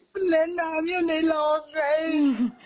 มันเล่นน้ำอยู่ในโรงเอง